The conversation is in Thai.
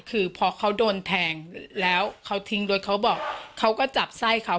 คือพอเขาโดนแทงแล้วเขาทิ้งรถเขาบอกเขาก็จับไส้เขา